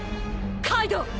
カイドウ！